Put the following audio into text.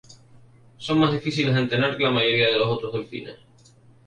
Son más difíciles de entrenar que la mayoría de los otros delfines.